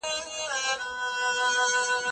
شپه ده تياره ده خلک گورې مه ځه!